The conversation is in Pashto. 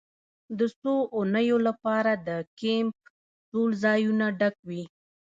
د څو اونیو لپاره د کیمپ ټول ځایونه ډک وي